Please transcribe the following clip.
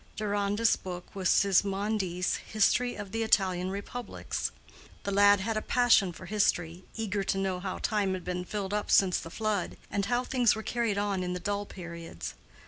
Deronda's book was Sismondi's History of the Italian Republics; the lad had a passion for history, eager to know how time had been filled up since the flood, and how things were carried on in the dull periods.